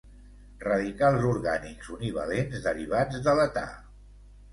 Radicals orgànics univalents derivats de l'età.